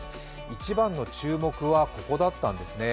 一番の注目は、ここだったんですね